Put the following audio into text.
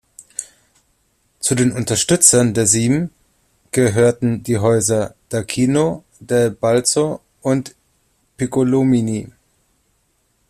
Zu den "Unterstützern der Sieben" gehörten die Häuser d’Aquino, del Balzo und Piccolomini.